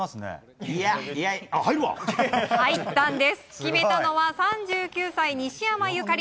決めたのは３９歳、西山ゆかり。